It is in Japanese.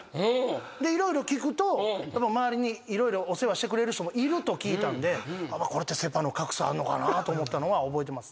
で色々聞くと周りに色々お世話してくれる人もいると聞いたんでこれってセ・パの格差あんのかなと思ったのは覚えてます。